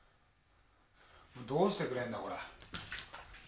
どうしてくれんだこれ。